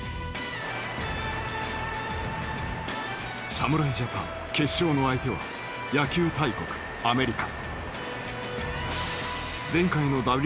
侍ジャパン決勝の相手は野球大国アメリカ。